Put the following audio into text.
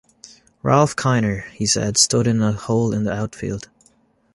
Ralph Kiner, he said, stood in a hole in the outfield.